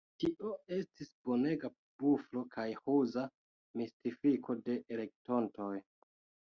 Tio estis bonega blufo kaj ruza mistifiko de elektontoj.